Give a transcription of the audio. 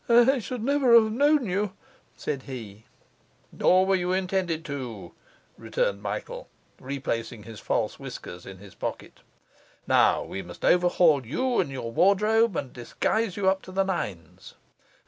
'I should never have known you,' said he. 'Nor were you intended to,' returned Michael, replacing his false whiskers in his pocket. 'Now we must overhaul you and your wardrobe, and disguise you up to the nines.